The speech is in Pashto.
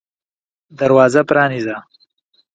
دروازه پرانیزه !